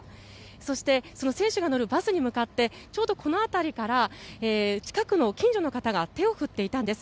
そして、その選手が乗るバスに向かってちょうど、この辺りから近くの近所の方が手を振っていたんです。